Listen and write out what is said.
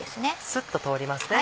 スッと通りますね。